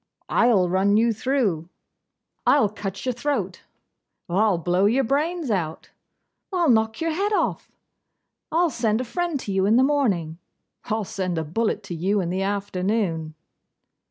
'I'll run you through.' 'I'll cut your throat.' 'I'll blow your brains out.' 'I'll knock your head off.' 'I'll send a friend to you in the morning.' 'I'll send a bullet into you in the afternoon.